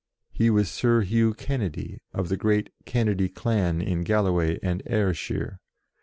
He was Sir Hugh Kennedy, of the great Ken nedy clan in Galloway and Ayrshire.